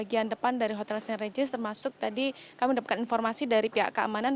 bagian depan dari hotel st regis termasuk tadi kami mendapatkan informasi dari pihak keamanan